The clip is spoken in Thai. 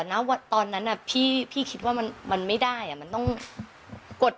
นะว่าตอนนั้นน่ะพี่พี่คิดว่ามันมันไม่ได้อ่ะมันต้องกด